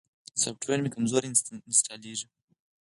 سافټویر مې سسته انستالېږي.